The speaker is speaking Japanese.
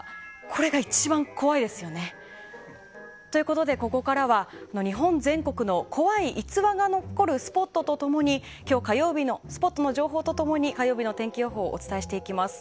これが一番怖いですよね。ということで、ここからは日本全国の怖い逸話が残るスポットの情報と共に火曜日の天気予報をお伝えしていきます。